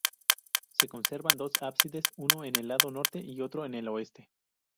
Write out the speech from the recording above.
Se conservan dos ábsides, uno en el lado norte y otro en el oeste.